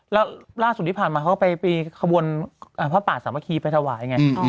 แล้วล่าสุดที่ผ่านมาเขาก็ไปขบวนพระป่าสามัคคีไปถวายไง